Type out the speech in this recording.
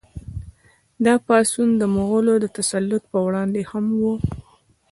دا پاڅون د مغولو د تسلط پر وړاندې هم و.